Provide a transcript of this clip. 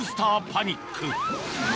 パニック